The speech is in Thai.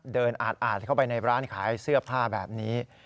อาดเข้าไปในร้านขายเสื้อผ้าแบบนี้